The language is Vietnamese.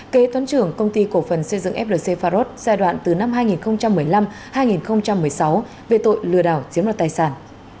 kế toán trưởng công ty cổ phần xây dựng flc pharos giai đoạn từ năm hai nghìn một mươi năm hai nghìn một mươi sáu về tội lừa đảo chiếm đoạt tài sản